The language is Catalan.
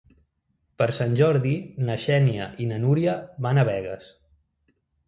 Per Sant Jordi na Xènia i na Núria van a Begues.